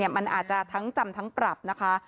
มันอาจจะทั้งจำทั้งปรับนะคะ